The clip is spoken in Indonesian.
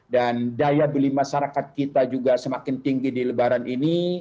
dan daya beli masyarakat kita juga semakin tinggi di lebaran ini